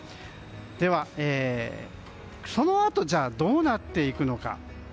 では、そのあとどうなっていくのか。